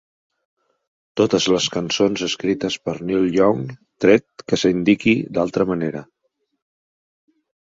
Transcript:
Totes les cançons escrites per Neil Young, tret que s'indiqui d'altra manera.